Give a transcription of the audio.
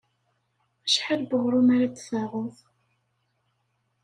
Acḥal n weɣrum ara d-taɣeḍ?